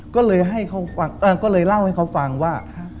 ก็เลยเล่าให้เขาฟังว่า